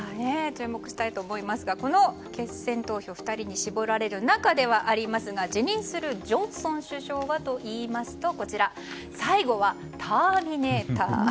注目したいと思いますがこの決選投票は２人に絞られる中ではありますが辞任するジョンソン首相はといいますと最後はターミネーター。